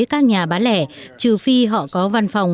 các nhà bán lẻ trừ phi họ có văn phòng